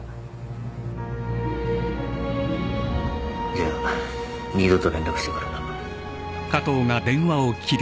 じゃあ二度と連絡してくるな。